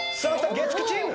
月９チーム！